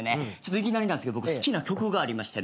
いきなりなんですけど僕好きな曲がありましてね。